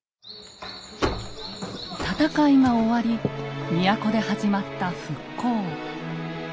戦いが終わり都で始まった復興。